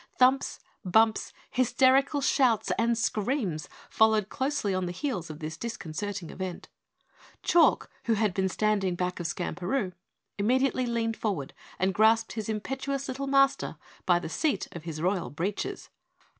Thumps, bumps, hysterical shouts and screams followed closely on the heels of this disconcerting event. Chalk, who had been standing back of Skamperoo, immediately leaned forward and grasped his impetuous little Master by the seat of his Royal Breeches.